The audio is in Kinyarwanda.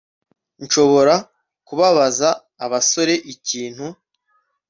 Nshobora kubabaza abasore ikintu